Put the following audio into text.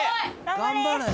頑張れ。